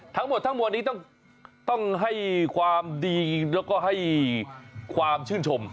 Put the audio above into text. ทั้งหมดทั้งมวลนี้ต้องให้ความดีแล้วก็ให้ความชื่นชม